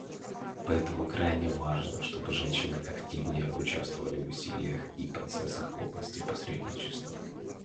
Поэтому крайне важно, чтобы женщины активнее участвовали в усилиях и процессах в области посредничества.